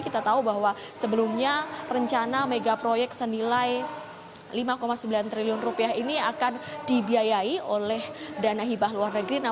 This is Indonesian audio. kita tahu bahwa sebelumnya rencana megaproyek senilai lima sembilan triliun ini akan dibiayai oleh dana hibah luar negeri